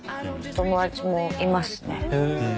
友達もいますね。